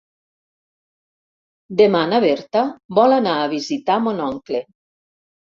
Demà na Berta vol anar a visitar mon oncle.